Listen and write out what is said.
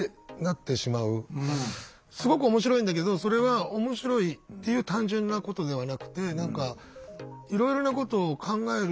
すごく面白いんだけどそれは面白いっていう単純なことではなくて何かいろいろなことを考える面白さ。